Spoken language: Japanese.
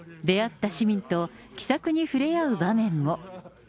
出会った市民と気さくに触れ合う場面も。